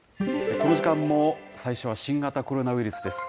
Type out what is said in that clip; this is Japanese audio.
この時間も、最初は新型コロナウイルスです。